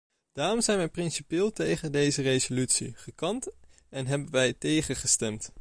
Daarom zijn wij principieel tegen deze resolutie gekant en hebben wij tegen gestemd.